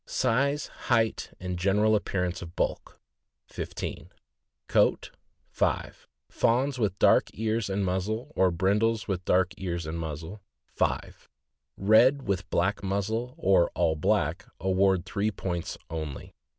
Value. Size, height, and general appearance of bulk 15 Coat 5 Fawns with dark ears and muzzle, or brindles with dark ears and muzzle. . 5 Red with black muzzle, or all black, award three points only.